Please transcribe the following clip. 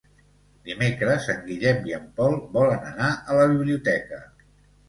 Dimecres en Guillem i en Pol volen anar a la biblioteca.